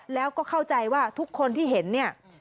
แล้วก็เข้าใจว่าทุกคนที่เห็นเนี่ย